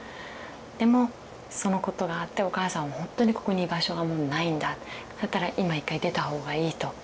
でもそのことがあってお母さんはほんとにここに居場所がもうないんだだったら今１回出た方がいいと。